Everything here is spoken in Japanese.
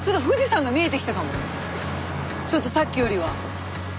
ちょっとさっきよりは。